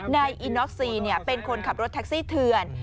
นายอิน็อกซีเป็นคนขับรถแท็กซี่เถื่อน